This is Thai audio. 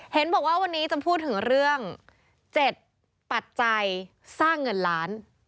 เห็นบอกว่าวันนี้จะพูดถึงเรื่อง๗ปัจจัยสร้างเงินล้าน